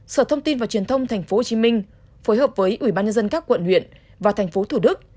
sở thông tin và truyền thông tp hcm phối hợp với ubnd các quận huyện và tp thd